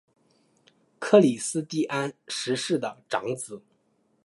克里斯蒂安十世的长子。